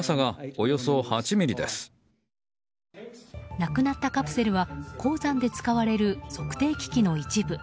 なくなったカプセルは鉱山で使われる測定機器の一部。